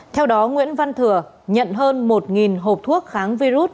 theo đó nguyễn văn thừa nhận hơn một hộp thuốc kháng virus